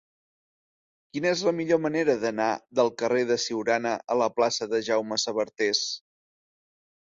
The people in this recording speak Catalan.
Quina és la millor manera d'anar del carrer de Siurana a la plaça de Jaume Sabartés?